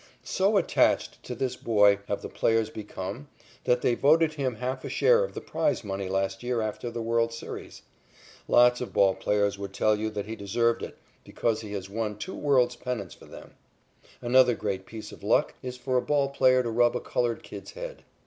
So attached to this boy have the players become that they voted him half a share of the prize money last year after the world's series. Lots of ball players would tell you that he deserved it because he has won two world's pennants for them. Another great piece of luck is for a ball player to rub a colored kid's head.